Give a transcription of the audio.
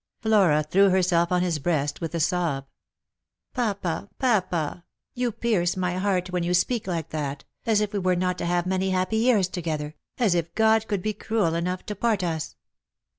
Flora threw herself on his breast with a sob. " Papa, papa, you pierce my heart when you speak like that, as if we were not to have many happy years together — as if God could be cruel enough to part us."